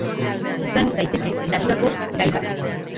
izan daiteke naturako gai bat